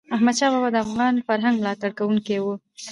احمدشاه بابا د افغان فرهنګ ملاتړ کوونکی و.